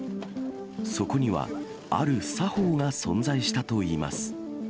そこにはある作法が存在したといいます。